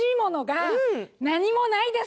何もないです！